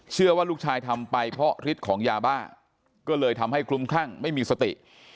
เชื่อว่าลูกชายทำไปเพราะฤทธิ์ของยาบ้าก็เลยทำให้คลุ้มคลั่งไม่มีสติ